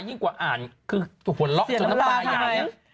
ยิ่งกว่าอ่านคือหัวเราะจนน้ำตายาย